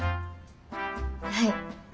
はい。